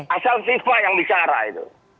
asal fifa yang bicara itu